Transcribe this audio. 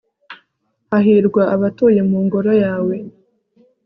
hahirwa abatuye mu ngoro yawe